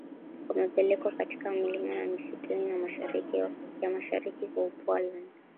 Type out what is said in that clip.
wamepelekwa katika milima na msituni ya mashariki mwa Upoland